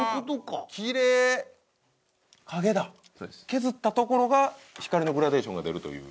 削った所が光のグラデーションが出るという。